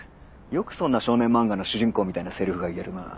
よくそんな少年マンガの主人公みたいなセリフが言えるな。